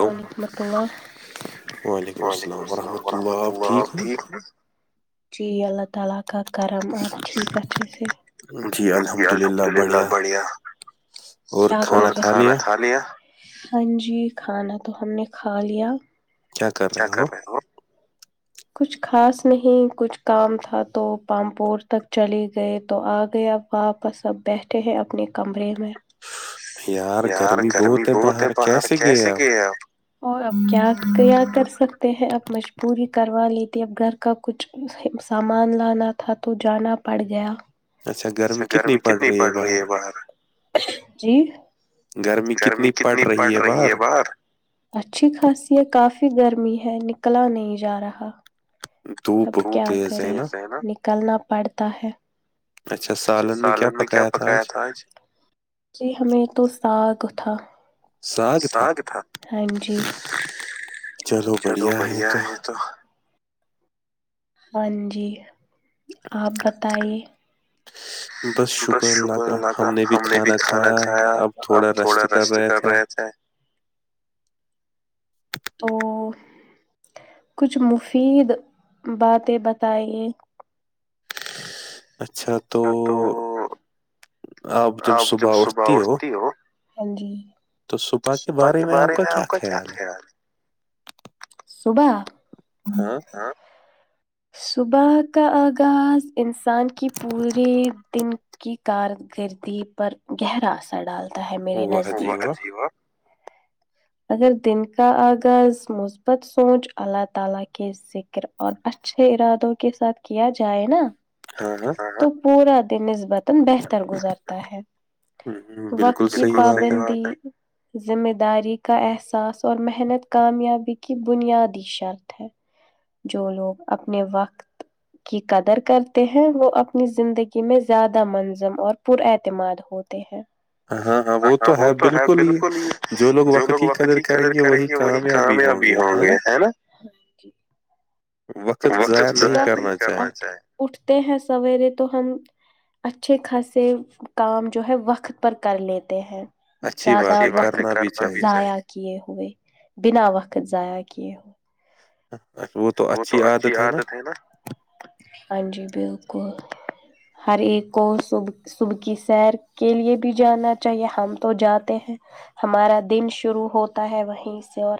مال مہ وعلیکم اللام ورحم اللہ آ جی اللہ تعال کا کرم آپیک ا سے جی الحمد للہ بڑھیا اور کھانا کھا لیا ہاں جی کھانا تو ہم نے کھا لیا کیا کر رہے ہو کچھ خاص نہیں کچھ کام تھا تو پامپور تک چلے گئے تو آ گئے اب واپس سب بیٹھے ہیں اپنے کمرے میں یار گرمی بہت ہے باہر کیسے گئے آپ اور آپ کیا کیا کر سکتے ہیں آپ مجبوری کروا لی ت اب گھر کا کچھ سامان لانا تھا تو جانا پڑ گیا اچھا گرمی کتنی پڑ رہی ہے باہر گرمی کتنی پڑ رہی ہے باہار اچھی خاص ہے کافی گرمی ہے نکلا نہیں جا رہا اب کیا کریں نکلنا پڑتا ہے اچھا سالن میں کیا پکایا تھا آج جی ہمیں تو ساگ تھا سگ تھا ہاں جی چلو بڑھیا ہے تو ہاں جی آپ بتائیے ہ بس شکر اللہ کا ہم نے بھی کھانا کھایا اب تھوڑا ریسٹ کر رہے تھے تو کچھ مفید باتیں بتائیے اچھا تو آپ جب صبح اٹھتی ہو تو صپح کے بارے میں آپ کا کیا خیال ہے صبح ہاں ہاں صبح کا آغاز انسان کی پورے دن کی کارکردی پر گہرا اثر ڈالتا ہے میرے نزدیک اگر دن کا آغاز مثبت سوچ اللہ تعالی کے سذک اور اچھے ارادوں کے ساتھ کیا جائے نا ہاں ہاں تو پورا دن نسبتا بہتر گزرتا ہے وقت کی پابندی ذمہ داری کے کا احساس اور محنت کامیابی کی بنیادی شرط ہے جو لوگ اپنے وقت کی قدر کرتے ہیں وہ اپنی زندگی میں زیادہ منظم اور پر اعتماد ہوتے ہیں ہاں وہ تو ہے بالکل ہی جو لوگ وقت کی قدر کریں گے وہی کامیاب بھی ہوں گے ہے نا نہیں کرنا اٹھتے ہیں سویرے تو ہم اچھے خاصے کام جو ہے وقت پر کر لیتے ہیں زیادہ وقت ضائع کیے ہوئے بنا وقت ضائع کیے ہوئے وہ تو اچھی عادت ہے نا ہاں جی بالکل ہر ایک کو سب صبح کی سیر کے لیے بھی جانا چاہیے ہم تو جاتے ہیں ہمارا دن شروع ہوتا ہے وہیں سے اور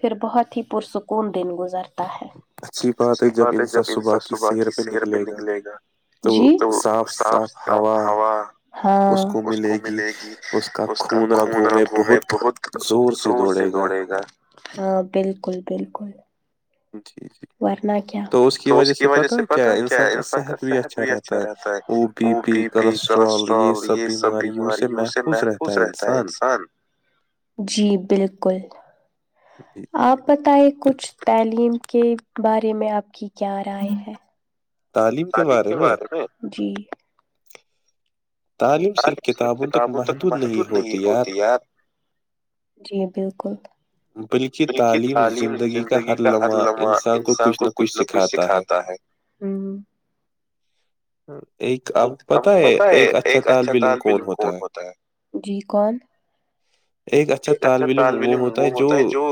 پھر بہت ہی پرسکون دن گزرتے بات ہے جب انسا صبح کی سیر پہ نکلے گا جی تو صاف صاف ہوا ہاں اس کو ملے گی اس کا خونرا گھووم بہت زور سے دوڑے گا ہاں بالکل بالکل جی جی ورنہ کیا تو اس کی وجہ سے پت ہے کیا انسان کا صحت بھی اچھا رہتا ہے اور بی پی کولسٹرول یہ سب بیماریوں سے محفوظ رہتا ہے انسان جی بالکل [inaudible] آپ بتائیں کچھ تعلیم کے بارے میں آپ کی کیا رائے ہے تعلیم کے بارے میں جی تعلیم صرف کتابوں تک محدود نہیں ہوتی یار جی بالکل بلکہ تعلیم زندگی کا ہر لمحہ انسان کو کچھ نہ کچھ سکھاتا ہے ہوں آپ کو پت ہے ایک اچھا طالب علم کون ہوتا ہے جی کون ایک اچھا طالب علم وہ جو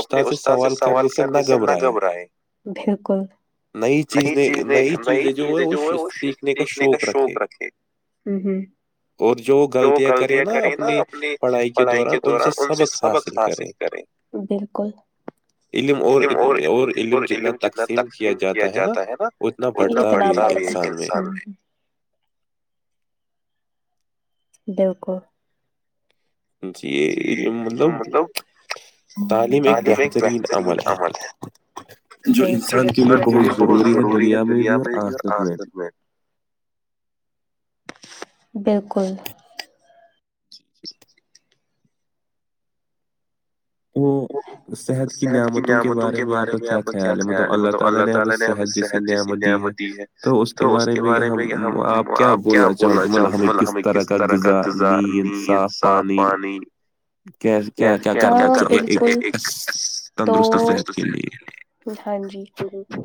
اپنے استاد سے سوال کرنے سے نہ گھبرا ہے بالکل نئی چیزیں نئی چیزیں جو ہے وہ سیکھنے کا شوق رکھے ہوں ہوں جو غلطیاں کریں نا اپنی پڑھائی کے دوران ان سے سبق حاصل کریں بالکل اور علم جتنا تقسیم کیا جاتا ہے نا اتنا بڑتا بی ہے ایک انسان میں بلکل جی مطلب تعلیم ایک بہترین عمل ہے جو انسان کے لیے بہت ضروری ہے دنیا میں بھی اور اخرت میں بھی بالکل [inaudible] [inaudible] صحت کی نعمتوں کے بارے میں آپ کا کیا خیال ہے مطلب اللہ تعالی نے ہمیں صحت جیسی نعمت دی ہے تو اس کے بارے میں یہ آپ کیا بولنا چاہو گے مطلب ہمیں کس طرح کاغضا نیند صاف پانی کیا کیا کرنا بالکل تو ہاں جی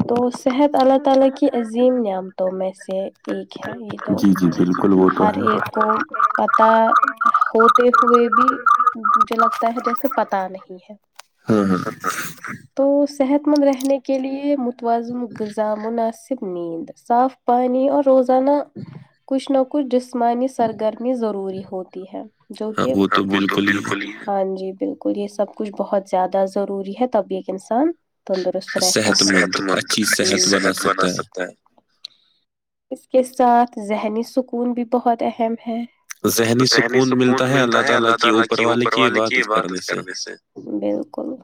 تو صحت اللہ تعالی کی عظیم نعمت میں سے ایک ہے یہ ہر ایک کو پتہ ہوتے ہوئے بھی مجھے لگتا ہے جیسے پتا نہیں ہے ہوں ہوں تو صحت مند رہنے کے لیے متوازن غذا مناسب نیند صاف پانی اور روزانہ کچھ نہ کچھ جسمانی سرگرمی ضروری ہوتی ہے جو کہ ہاں جی بالکل یہ سب کچھ بہت زیادہ ضروری ہے تبھی ایک انسان تندرست رہتا صحت مند اچھی صحت بنا سکتا ہے اس کے ساتھ ذہنی سکون بھی بہت اہم ہے ذہنی سکون ملتا ہے اللہ تعالی کی ہو اللہ تعالا کی عبادت کرنے سے بکل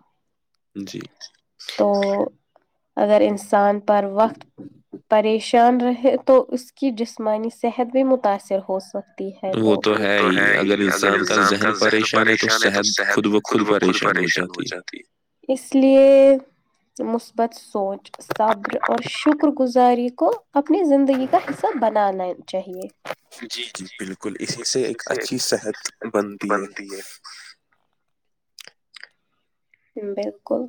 تو اگر انسان پر وقت پریش پریشان رہے تو اس کی جسمانی صحت بھی متاثر ہو سکے تو وہ تو ہے ہی اگر انسان کا ذہن پریشان ہے تو صحت خور بہ خود پریشان ہو جاتی ہے اس لیے مثبت سوچ صبر اور شکر گزاری کو اپنی زندگی کا حصہ بنانا چاہیے سے ایک اچھی صحت بنتی ہے بالکل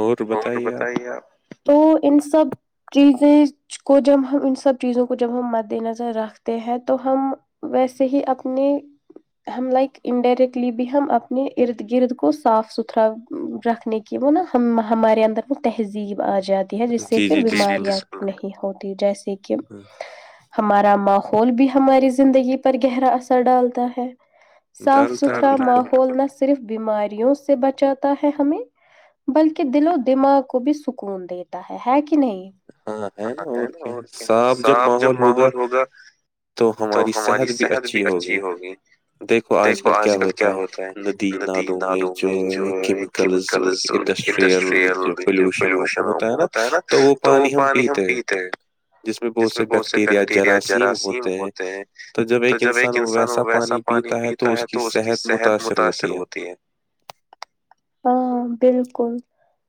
اور بتاو بتائیے آپ تو ان سب چیزیں کو جب ہم ان سب چیزوں کو جب ہم مد نظر رکھتے ہیں تو ہم ویسے ہی اپنے ہم لائک انڈائریکٹلی بھی ہم اپنے ارد گرد کو صاف ستھرا رکھنے کے کہ وہ نا ہمارے اندر وہ تہذیب آ جاتی ہے جس سے پھر بیماریاں نہیں ہوتی جیسے کہ ہمارا ماحول بھی ہماری زندگی پر گہرا اثر ڈالتا ہے صاف ستھرا ماحول نہ صرف بیماریوں سے بچاتا ہے ہمیں بلکہ دلوں دماغ کو بھی سکون دیتا ہے ہے کہ نہیں ہاں ہے نا اور کیا صاف جب ماحول ہوگا تو ہماری صحت بھی اچھی ہوگی دیکھو آج کل کیا ہوتا ہے ندی نالوں میں جو ہے کیمیکلز انڈسٹری رئل جو پولوشن ہوتا ہے نا تو وہ پانی ہم پیتے ہیں جس میں بہت سے بیکٹیریا جراثیم ہوتے ہیں تو جب ایک انسان ویسا پانی پیتا ہے تو اس کی صحت متاثر ہوتی ہے ہاں بالکل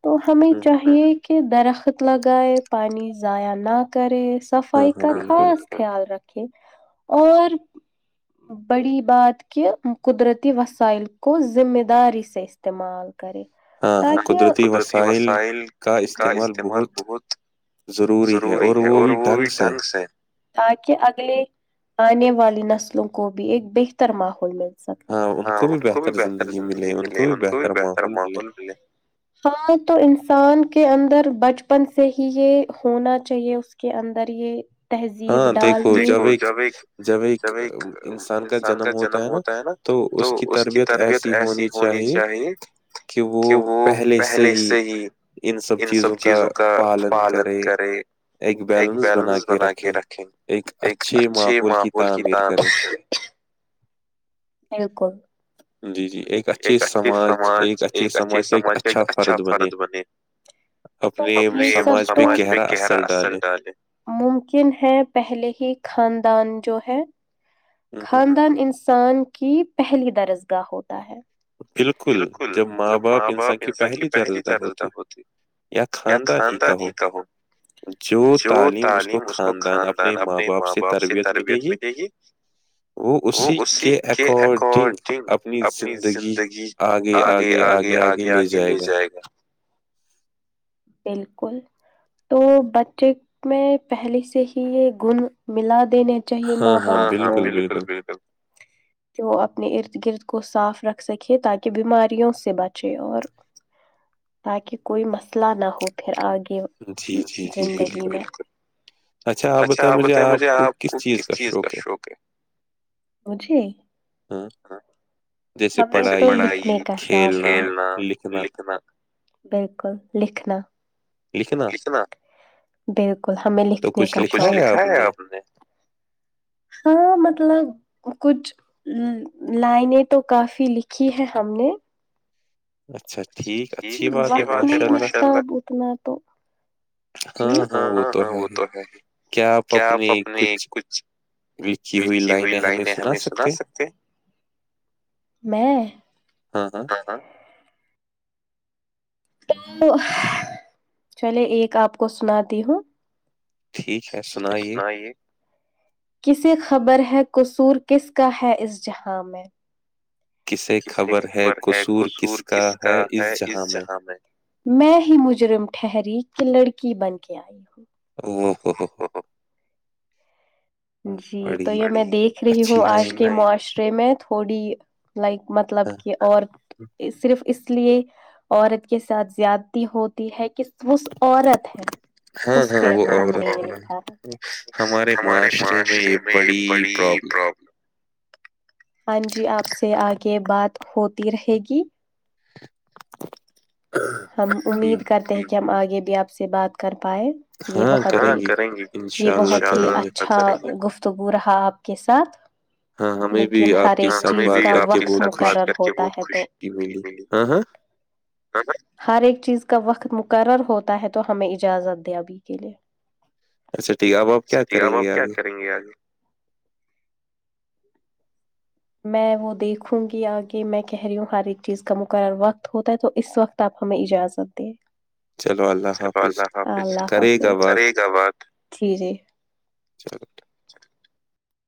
تو ہمیں چاہیے کہہ درخت لگائے پانی ضائع نہ کرےس صفائی کا خاص خیال رکھے اور بڑی بات کہ قدرتی وسائل کو ذمہ داری سے استعمال تاکہ قدرتی وسائل کا استعمال بہت ضروری ہے اور وہ بھی ڈھنگ سے ہے تاکہ اگلے آنے والی نسلوں کو بھی ایک بہتر ماحول مل ہاں ان کو بھی بہتر زندگی ملے ان کو بھی بہتر ماحول ملے ہاں تو انسان کے اندر بچپن سے ہی یہ ہونا چاہیے اس کے اندر یہ تہذیب ڈال دیکھو جب ایک جب ایک انسان کا جنم ہوتا ہے نا تو اس کی تربیت ایسی ہونی چاہیے کہ وہ پہلے سے ہی ان سب چیزوں کا پالن کرے ایک بیلنس بنا کے رکھیں ایک اچھے ماحول کی تعمیر ہے بالکل جی جی ایک اچھی سماج ایک اچھے سماج کا ایک اچھا فرد بنے اپنے سماج پہ گہرا اثر ڈالے ممکن ہے پہلے ہی خاندان جو ہے خاندان انسان کی پہلی درس گاہ ہوتا ہے بالکل جب ماں باپ انسان کی پہلی درجداہ ہوتی یا خاندان ہی کہوں جو تعلیم اس کو خاندان اپنے ماں باپ سے تربیت ملے گی وہ اسی کے اکارڈنگ اپنی زندگی آگے آگے آگے آگے لے جائے گا بالکل تو بچے میں پہلے سے ہی یہ گن ملا دینے چاہیے ماں باپ ہاں بالکل بالکل کہ وہ اپنے ارد گرد کو صاف رکھ سکے تاکہ بیماریوں سے بچے اور [inaudible] تاکہ کوئی مسئلہ نہ ہو پھر آگے زندگی میں اچھا آپ بتائیں مجھے آپ کو کس چیز کا شوق ہے م ہاں جیسے پڑھائی کھیلنا لکھنا بالکل لکھنا لکھنا بالکل ہمیں لکھنے کا لکھا ہے آپ نے ہاں مطلب کچھ لائن تو کافی لکھی ہے ہم نے ج م اتنا تو [unintelligible] ہاں ہاں وہ تو ہے ہی کیا آپ اپنے کچھ لچھی ہوئی لائن ہمیں سنا سکتے میں ہاں ہاں ہاں تو چلے ایک آپ کو سناتی ہوں ٹھیک ہے سنائیے کسسی خبر ہے قصور کس کا ہے اس جہاں میں کس سے قبر ہے قصور کس کا ہے اس جہاں میں میں ہی مجرم ٹھہری کی لڑکی بن کے آئی ہوں جی تو یہ میں دیکھ رہی ہوں آج کے معاشرے میں تھوڑی لائک مطلب کہ اور صرف اس لیے عورت کے ساتھ زیادتی ہوتی ہے کہ اس عورت ہے اس ہمارے [unintelligible] معاشرے میں یہ بڑی پرابلم ہاں جی آپ سے آگے بات ہوتی رہے گی ہم امید کرتے ہیں کہ ہم آگے بھی آپ سے بات کر پائیں یہ بہت ہییں گے یہ بہت ہی اچھا گفتگو رہا آپ کے ساتھ لیکن ہر ایک چیز کا وقت مقرر ہوتا ہے تو ہاں ہاں ہاں ہاں ہر ایک چیز کا وقت مقرر ہوتا ہے تو ہمیں اجازت دے ابھی کے لیے اچھاٹھیک ہے اب آپ کیا کریں گے آگے میں وہ دیکھوں گی آگے میں کہہ رہی ہوں ہر ایک چیز کا مقرر وقت ہوتا ہے تو اس وقت تب ہمیں اجازت دیں [unintelligible] چلو اللہ حافظ کرے گا بات چلو ٹھیک [unintelligible]